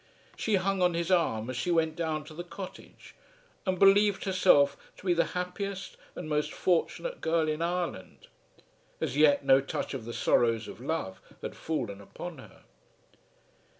She hung on his arm as she went down to the cottage, and believed herself to be the happiest and most fortunate girl in Ireland. As yet no touch of the sorrows of love had fallen upon her.